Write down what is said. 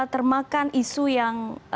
termakan isu yang